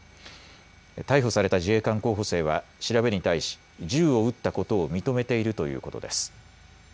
逮捕された自衛官候補生は調べに対し、銃を撃ったことを認めているということです。